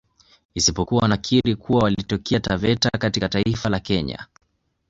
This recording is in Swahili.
Isipokuwa wanakiri kuwa walitokea Taveta katika taifa la Kenya